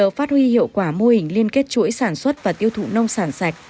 chúng tôi đã phát huy hiệu quả mô hình liên kết chuỗi sản xuất và tiêu thụ nông sản sạch